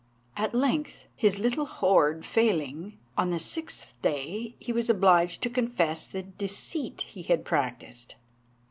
At length, his little hoard failing, on the sixth day he was obliged to confess the deceit he had practised.